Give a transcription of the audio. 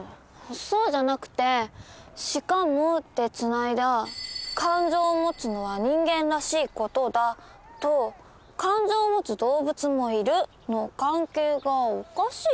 そうじゃなくて「しかも」でつないだ「感情を持つのは人間らしい事だ」と「感情を持つ動物もいる」の関係がおかしい